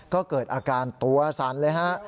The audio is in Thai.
ก็เกิดอาการตัวซันแล้วครับ